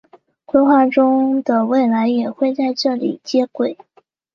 规划中的未来也会在这里接轨。